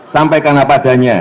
sampai karena padanya